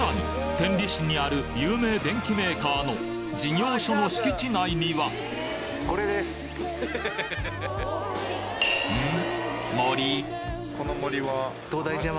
天理市にある有名電機メーカーの事業所の敷地内にはん？